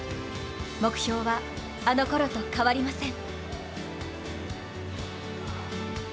目標はあのころと変わりません。